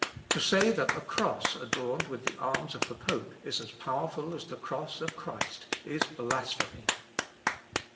"To say that a cross adorned with the arms of the pope is as powerful as the cross of Christ is blasphemy.